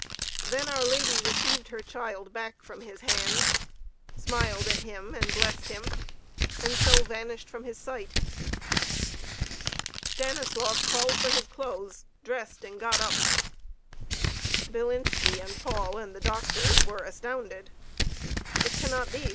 Then our Lady received her Child back from his hands, smiled at him and blessed him, and so vanished from his sight. Stanislaus called for his clothes, dressed and got up. Bilinski and Paul and the doctors were astounded. "It cannot be!"